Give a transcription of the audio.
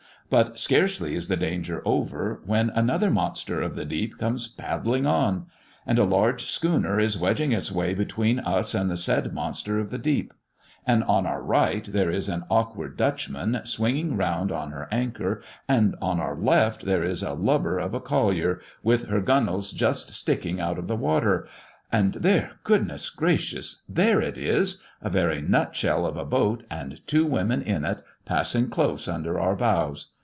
But scarcely is the danger over, when another monster of the deep comes paddling on; and a large schooner is wedging its way between us and the said monster of the deep; and on our right there is an awkward Dutchman, swinging round on her anchor; and on our left, there is a lubber of a collier, with her gun wales just sticking out of the water; and there, goodness gracious! there it is a very nut shell of a boat, and two women in it, passing close under our bows.